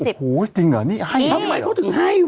โอ้โฮจริงเหรอทำไมเขาถึงให้วะ